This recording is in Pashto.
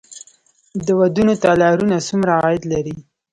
د ودونو تالارونه څومره عاید لري؟